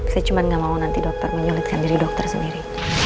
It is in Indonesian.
saya cuma gak mau nanti dokter menyulitkan diri dokter sendiri